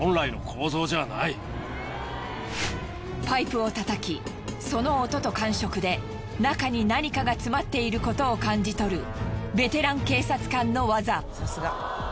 パイプを叩きその音と感触で中に何かが詰まっていることを感じ取るベテラン警察官の技。